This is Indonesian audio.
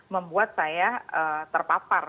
membuat saya terpapar